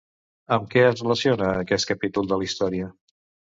Amb què es relaciona aquest capítol de la història?